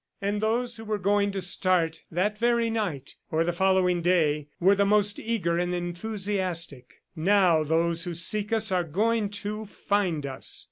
And those who were going to start that very night or the following day were the most eager and enthusiastic. "Now those who seek us are going to find us!